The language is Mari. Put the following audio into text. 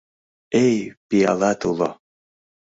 Эй, пиалат уло!